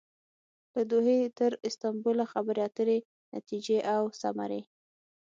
له دوحې تر استانبوله خبرې اترې ،نتیجې او ثمرې